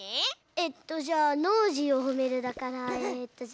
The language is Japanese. えっとじゃあ「ノージーをほめる」だからえっとじゃあ。